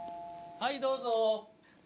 はいどうぞ。